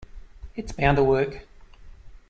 It's bound to work.